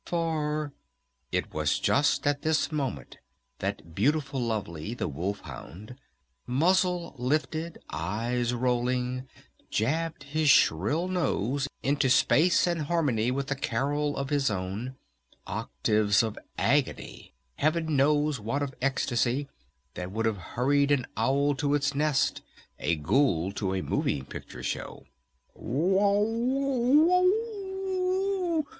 "For " It was just at this moment that Beautiful Lovely, the Wolf Hound, muzzled lifted, eyes rolling, jabbed his shrill nose into space and harmony with a carol of his own, octaves of agony, Heaven knows what of ecstasy, that would have hurried an owl to its nest, a ghoul to a moving picture show! "Wow Wow Wow!"